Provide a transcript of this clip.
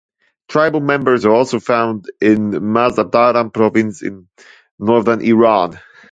Tribal members are also found in Mazandaran Province in northern Iran.